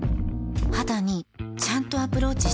肌にちゃんとアプローチしてる感覚